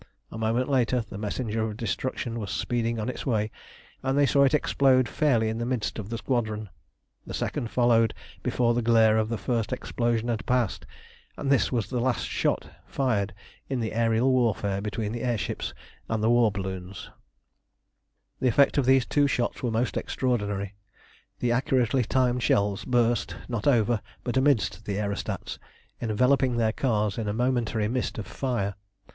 A moment later the messenger of destruction was speeding on its way, and they saw it explode fairly in the midst of the squadron. The second followed before the glare of the first explosion had passed, and this was the last shot fired in the aërial warfare between the air ships and the war balloons. [Illustration: "The rain of fire spread out far and wide." See page 344.] The effects of these two shots were most extraordinary. The accurately timed shells burst, not over, but amidst the aerostats, enveloping their cars in a momentary mist of fire.